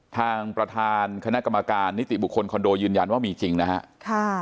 ทางประธานคณะกรรมการนิติบุคคลคอนโดยืนยันว่ามีจริงนะครับ